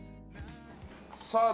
さあ